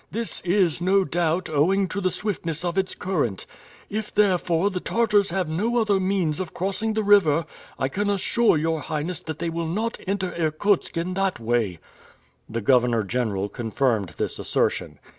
This is no doubt owing to the swiftness of its current. If therefore the Tartars have no other means of crossing the river, I can assure your Highness that they will not enter Irkutsk in that way." The governor general confirmed this assertion.